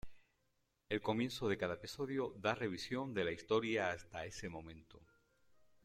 El comienzo de cada episodio da revisión de la historia hasta ese momento.